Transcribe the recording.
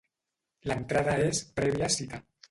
L'entrada és prèvia cita.